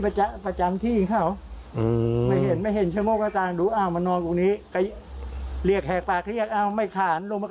พ่อไพบูนเนี่ยนะ